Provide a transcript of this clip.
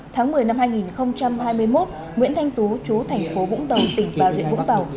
tháng một mươi năm hai nghìn hai mươi một nguyễn thanh tú chú thành phố vũng tàu tỉnh bà rịa vũng tàu